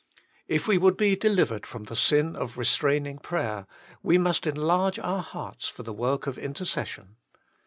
If we A MODEL OF INTERCESSION 33 would be delivered from the sin of restraining prayer, we must enlarge our hearts for the work of intercession.